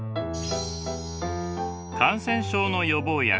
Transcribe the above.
感染症の予防薬